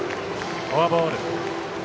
フォアボール。